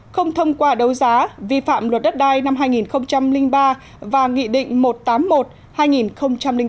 không thông qua đấu giá vi phạm luật đất đai năm hai nghìn ba và nghị định một trăm tám mươi một hai nghìn bốn